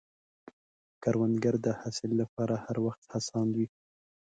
کروندګر د حاصل له پاره هر وخت هڅاند وي